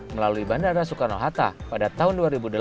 melalui bandara soekarno hatta pada tahun dua ribu delapan